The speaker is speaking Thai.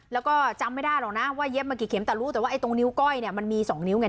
แล้วก็จำไม่ได้หรอกนะว่าเย็บมากี่เข็มแต่รู้แต่ว่าไอ้ตรงนิ้วก้อยเนี่ยมันมี๒นิ้วไง